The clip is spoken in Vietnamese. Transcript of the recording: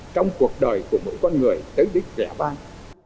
trong cuộc đời của mỗi con người tới đích vẻ vang